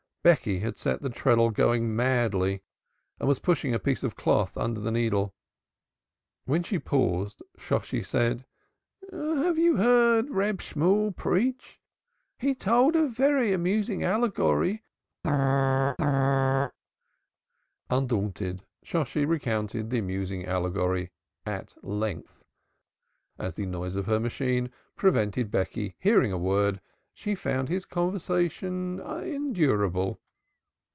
Becky had set the treadle going madly and was pushing a piece of cloth under the needle. When she paused, Shosshi said: "Have you heard Reb Shemuel preach? He told a very amusing allegory last " Br r r r r r r h! Undaunted, Shosshi recounted the amusing allegory at length, and as the noise of her machine prevented Becky hearing a word she found his conversation endurable.